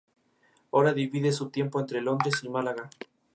La presencia de vapor de agua no implica necesariamente la existencia de vida.